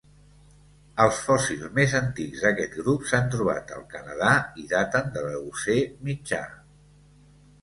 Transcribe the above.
Els fòssils més antics d'aquest grup s'han trobat al Canadà i daten de l'Eocè mitjà.